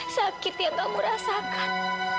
sakit yang kamu rasakan